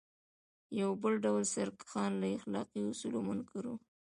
یو بل ډول سرکښان له اخلاقي اصولو منکر وو.